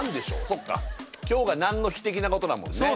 そっか「今日が何の日？」的なことだもんね